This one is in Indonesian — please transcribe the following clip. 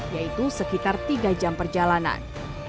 yaitu sekitar tiga jam perjalanan